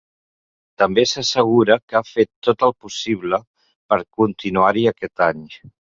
També s’assegura que ha fet ‘tot el possible’ per continuar-hi aquest any.